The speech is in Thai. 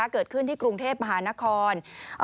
เกิดขึ้นที่กรุงเทพมหานคร